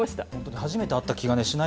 初めて会った気がしない